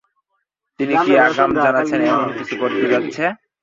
তিনি কি আগাম জানতেন এমন কিছু ঘটতে যাচ্ছে?